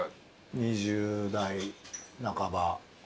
２０代半ば。